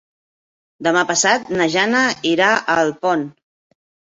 Demà passat na Jana irà a Alpont.